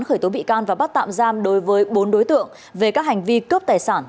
khởi tố bị can và bắt tạm giam đối với bốn đối tượng về các hành vi cướp tài sản